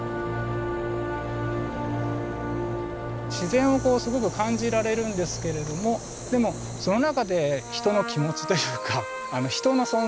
自然をすごく感じられるんですけれどもでもその中で人の気持ちというか人の存在を感じられる。